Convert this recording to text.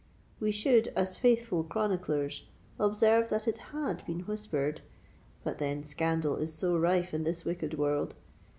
We should, as faithful chroniclers, observe that it had been whispered—but then, scandal is so rife in this wicked world!